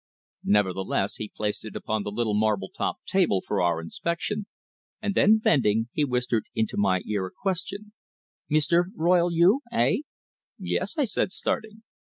Nevertheless, he placed it upon the little marble topped table for our inspection, and then bending, he whispered into my ear a question: "Mee ster Royle you eh?" "Yes," I said, starting.